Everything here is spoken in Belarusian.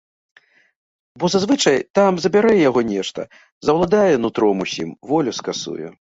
Бо зазвычай там забярэ яго нешта, заўладае нутром усім, волю скасуе.